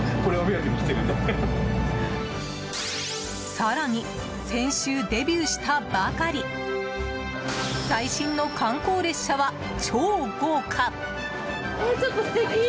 更に、先週デビューしたばかり最新の観光列車は超豪華！